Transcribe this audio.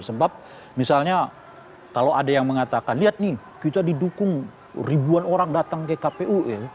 sebab misalnya kalau ada yang mengatakan lihat nih kita didukung ribuan orang datang ke kpu